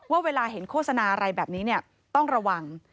ว่าเวลาเห็นโฆษณาอะไรแบบนี้ต้องระวัง